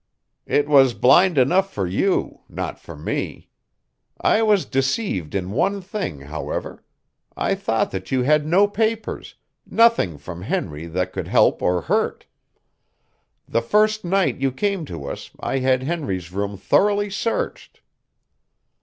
"It was blind enough for you, not for me. I was deceived in one thing, however; I thought that you had no papers nothing from Henry that could help or hurt. The first night you came to us I had Henry's room thoroughly searched."